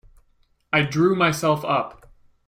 I drew myself up.